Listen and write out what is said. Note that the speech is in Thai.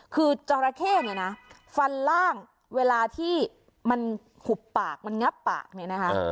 คือจราเข้เนี่ยนะฟันล่างเวลาที่มันหุบปากมันงับปากเนี่ยนะคะ